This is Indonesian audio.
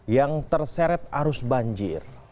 yang terseret arus banjir